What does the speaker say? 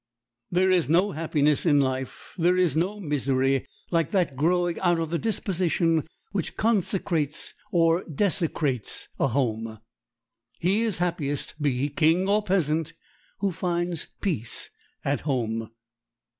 There is no happiness in life, there is no misery, like that growing out of the disposition which consecrates or desecrates a home. "He is happiest, be he king or peasant, who finds peace at home."